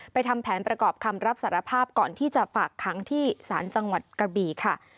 ทำแผนประกอบคำรับสารภาพก่อนที่จะฝากค้างที่ศาลจังหวัดกระบี่ค่ะ